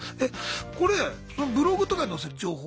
これそのブログとかに載せる情報？